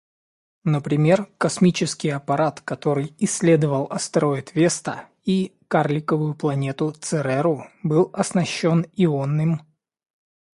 Например, космический аппарат который исследовал астероид Веста и карликовую планету Цереру, был оснащен ионным